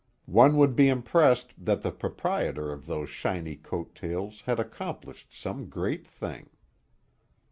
One would be impressed that the proprietor of those shiny coat tails had accomplished some great thing.